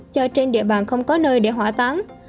cho trên địa bàn không có nơi để hỏa tán